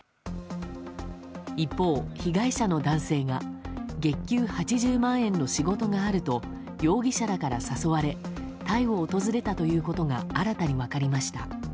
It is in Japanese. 一方、被害者の男性が月給８０万円の仕事があると容疑者らから誘われタイを訪れたということが新たに分かりました。